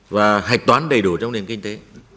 và hạch toán đầy đủ trong nền kinh tế